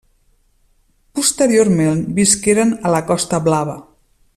Posteriorment visqueren a la Costa Blava.